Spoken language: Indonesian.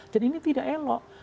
jadi ini tidak elok